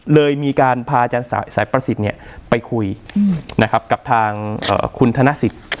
เลยมีการพาอาจารย์สายประสิทธิ์ไปคุยนะครับกับทางคุณธนสิทธิ์